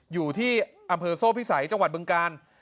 อยู่ที่อำเภอโซ่พิสัยจังหวัดบึงกาล